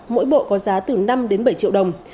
mỗi bộ có giá từ năm đến bảy triệu đồng